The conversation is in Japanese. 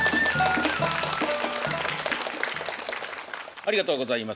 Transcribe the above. ありがとうございます。